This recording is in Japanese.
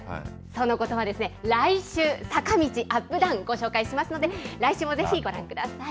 そのことはですね、来週、坂道、アップダウン、ご紹介しますので、来週もぜひご覧ください。